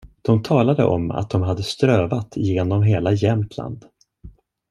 De talade om att de hade strövat igenom hela Jämtland.